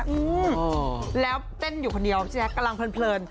อืมแล้วเต้นอยู่คนเดียวพี่แจ๊คกำลังเพลิน